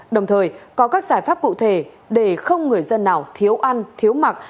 đồng thời có các giải pháp cụ thể để không người dân nào thiếu ăn thiếu mặc